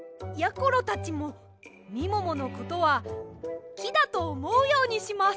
ころたちもみもものことはきだとおもうようにします。